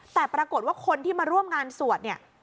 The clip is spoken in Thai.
แต่ปรากฏว่าคนที่มาร่วมงานสวดเนี่ย